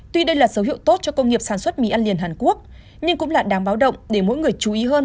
tuy đây là dấu hiệu tốt cho công nghiệp sản xuất mì ăn liền hàn quốc nhưng cũng là đáng báo động để mỗi người chú ý hơn